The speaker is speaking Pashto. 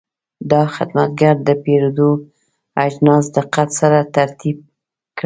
دا خدمتګر د پیرود اجناس دقت سره ترتیب کړل.